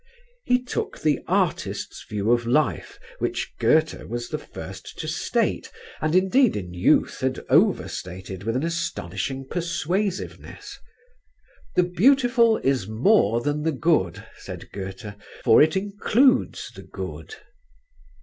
He took the artist's view of life which Goethe was the first to state and indeed in youth had overstated with an astonishing persuasiveness: "the beautiful is more than the good," said Goethe; "for it includes the good."